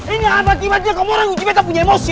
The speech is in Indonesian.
ini apa tiba tiba kamu orang ujibe tak punya emosi ya